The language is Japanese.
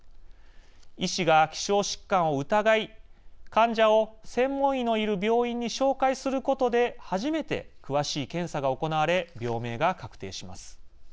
医師が希少疾患を疑い患者を専門医のいる病院に紹介することで初めて詳しい検査が行われ病名が確定します。